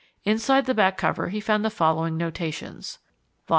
Inside the back cover he found the following notations vol.